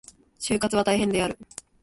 就活は大変である。